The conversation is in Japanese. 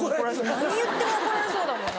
何言っても怒られそうだもん。